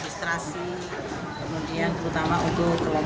semua aspek yang seperti saya sampaikan kemarin